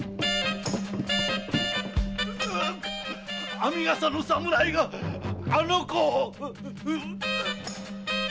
⁉編み笠の侍があの子を！